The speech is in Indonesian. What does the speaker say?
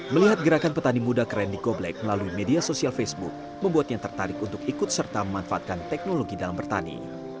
melihat gerakan petani muda keren di koblek melalui media sosial facebook membuatnya tertarik untuk ikut serta memanfaatkan teknologi dalam bertani